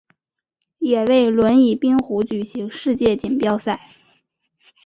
也为轮椅冰壶举行世界锦标赛。